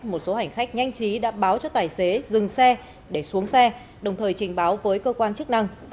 một số hành khách nhanh chí đã báo cho tài xế dừng xe để xuống xe đồng thời trình báo với cơ quan chức năng